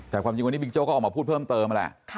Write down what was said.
แต่ความจริงวันนี้บิ๊กโจ๊ก็ออกมาพูดเพิ่มเติมนั่นแหละ